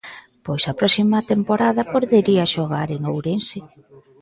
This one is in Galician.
Pois a próxima temporada podería xogar en Ourense.